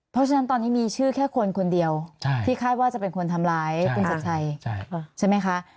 เพราะฉะนั้นตอนนี้มีชื่อแค่คนคนเดียวที่คาดว่าจะเป็นคนทำร้ายคุณชัดชัยใช่ไหมคะ